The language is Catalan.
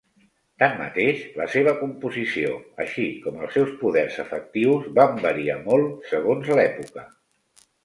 Tanmateix, la seva composició així com els seus poders efectius van variar molt segons l'època.